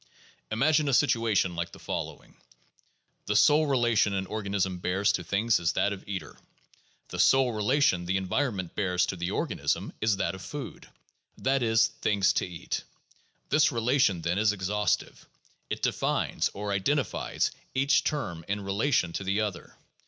Imagine a situation like the following. The sole relation an organism bears to things is that of eater; the sole relation the en vironment bears to the organism is that of food, that is, things to eat. This relation, then, is exhaustive. It defines, or identifies, each term in relation to the other.